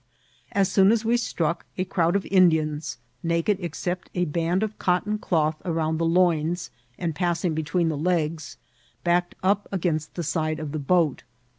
As soon as we struck, a crowd of Indians, naked except a band of cotton cloth around the loins and passing between the legs, backed up against the side of the boat.